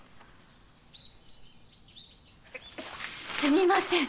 すみません。